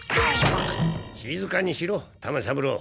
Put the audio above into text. しずかにしろ玉三郎。